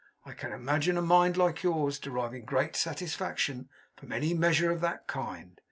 I can imagine a mind like yours deriving great satisfaction from any measure of that kind.